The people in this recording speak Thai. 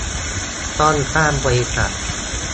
ต้องจ้างบริษัท